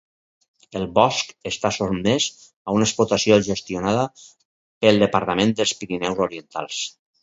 El bosc està sotmès a una explotació gestionada pel Departament dels Pirineus Orientals.